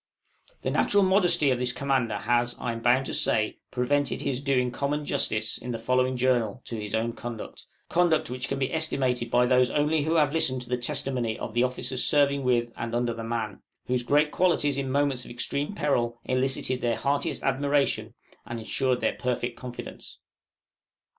The natural modesty of this commander has, I am bound to say, prevented his doing common justice, in the following journal, to his own conduct conduct which can be estimated by those only who have listened to the testimony of the officers serving with and under the man, whose great qualities in moments of extreme peril elicited their heartiest admiration and ensured their perfect confidence.